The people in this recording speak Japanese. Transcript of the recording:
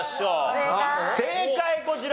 正解こちら！